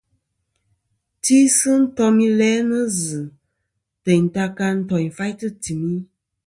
Tisi ntom i lænɨ zɨ teyn ta ka ntoỳnfaytɨ timi.